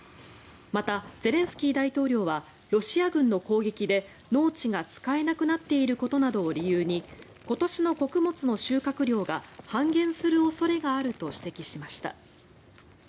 また、ゼレンスキー大統領はロシア軍の攻撃で農地が使えなくなっていることなどを理由に今年の穀物の収穫量が半減する恐れがあると指摘しました。